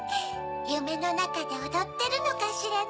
ゆめのなかでおどってるのかしらね。